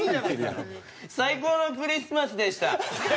最高のクリスマスでした。